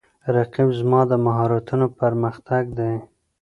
رقیب زما د مهارتونو پر مختګ دی